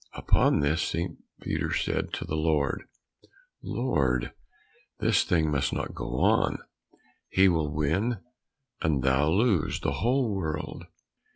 Upon this St. Peter said to the Lord, "Lord, this thing must not go on, he will win, and thou lose, the whole world.